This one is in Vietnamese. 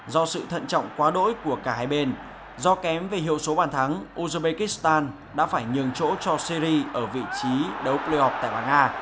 do sự thận trọng quá đỗi của cả hai bên do kém về hiệu số bản thắng uzbekistan đã phải nhường chỗ cho syria ở vị trí đấu playoff tại bảng a